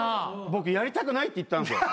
僕やりたくないって言ったんですよ